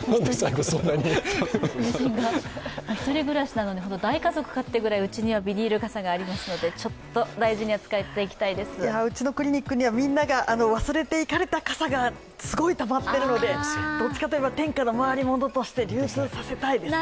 １人暮らしなのに大家族かってぐらいビニール傘がありますのでうちのクリニックにはみんなが忘れていかれた傘がすごいたまっているのでどっちかといえば天下の回りものとして流通させたいですね。